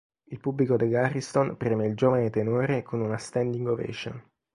Il pubblico dell'Ariston premia il giovane tenore con una standing ovation.